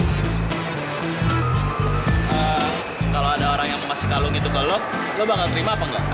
eh kalau ada orang yang mau kasih kalung itu ke lo lo bakal terima apa nggak